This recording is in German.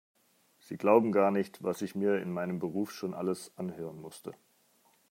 Sie glauben gar nicht, was ich mir in meinem Beruf schon alles anhören musste.